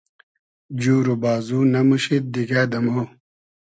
جور و بازو نئموشید دیگۂ دۂ مۉ